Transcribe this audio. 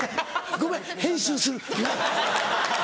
ごめん編集する。